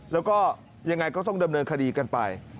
แล้วก็ยังไงก็ต้องดำเนินคดีกันไป